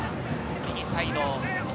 右サイド。